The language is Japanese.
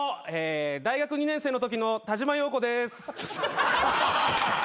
大学２年生のときの田嶋陽子です。